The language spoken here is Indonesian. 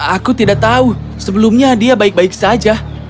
aku tidak tahu sebelumnya dia baik baik saja